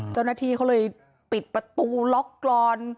เจ้าหน้าที่เขาเลยปิดประตูล็อกกรอน